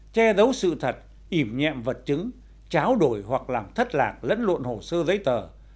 che giấu sự thật ỉm nhạm vật chứng cháo đổi hoặc làm thất lạc lẫn lộn hồ sơ giấy tờ